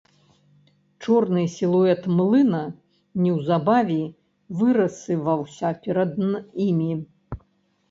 Чорны сілуэт млына неўзабаве вырысаваўся перад імі.